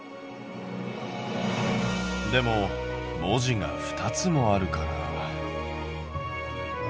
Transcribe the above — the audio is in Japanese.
でも文字が２つもあるから。